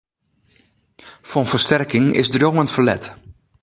Fan fersterking is driuwend ferlet.